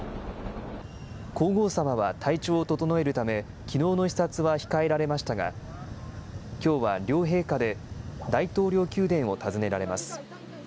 皇后さまは体調を整えるため、きのうの視察は控えられましたが、きょうは両陛下で大統領宮殿を訪ねられます。